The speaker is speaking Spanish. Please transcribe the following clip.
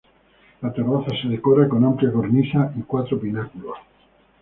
La terraza se decora con amplia cornisa y cuatro pináculos.